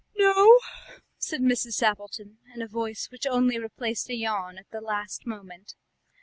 "No?" said Mrs. Sappleton, in a voice which only replaced a yawn at the last moment.